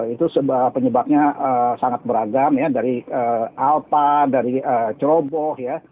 itu penyebabnya sangat beragam ya dari alpa dari ceroboh ya